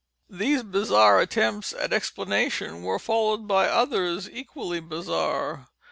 These bizarre attempts at explanation were followed by others equally bizarre.